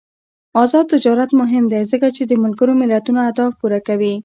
آزاد تجارت مهم دی ځکه چې د ملګرو ملتونو اهداف پوره کوي.